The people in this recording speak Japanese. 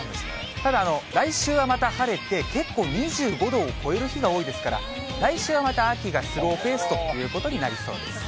ただ、来週はまた晴れて、結構２５度を超える日が多いですから、来週はまた秋がスローペー過ごしやすそう。